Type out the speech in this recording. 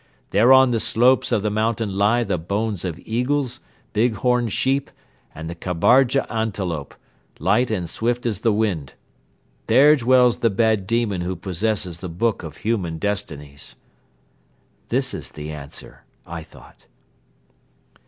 There on the slopes of the mountain lie the bones of eagles, big horned sheep and the kabarga antelope, light and swift as the wind. There dwells the bad demon who possesses the book of human destinies." "This is the answer," I thought.